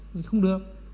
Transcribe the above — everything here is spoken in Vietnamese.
thì không được